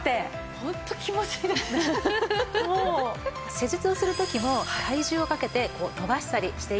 施術をする時も体重をかけて伸ばしたりしていきますが